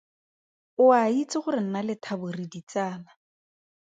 O a itse gore nna le Thabo re ditsala.